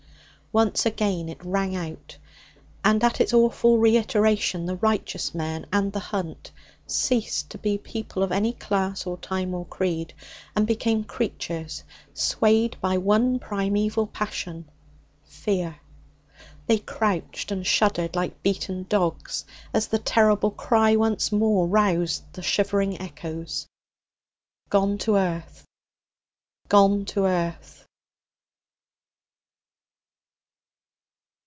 Once again it rang out, and at its awful reiteration the righteous men and the hunt ceased to be people of any class or time or creed, and became creatures swayed by one primeval passion fear. They crouched and shuddered like beaten dogs as the terrible cry once more roused the shivering echoes: 'Gone to earth! Gone to earth!'